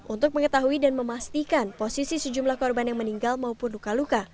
untuk mengetahui dan memastikan posisi sejumlah korban yang meninggal maupun luka luka